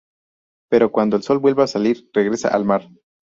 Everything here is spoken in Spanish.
Pero cuando el sol vuelva a salir, regresará al mar.